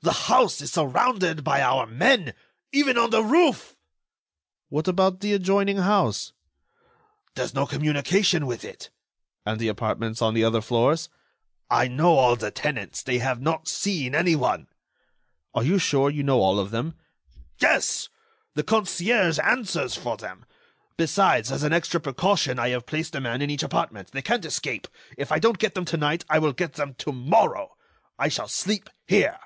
The house is surrounded by our men—even on the roof." "What about the adjoining house?" "There's no communication with it." "And the apartments on the other floors?" "I know all the tenants. They have not seen anyone." "Are you sure you know all of them?" "Yes. The concierge answers for them. Besides, as an extra precaution, I have placed a man in each apartment. They can't escape. If I don't get them to night, I will get them to morrow. I shall sleep here."